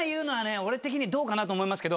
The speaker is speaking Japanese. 俺的にどうかなと思いますけど。